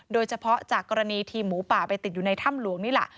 โดยเฉพาะจากกรณีทีมหมูป่าไปติดอยู่ในถ้ำหลวงนี่แหละ